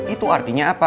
itu artinya apa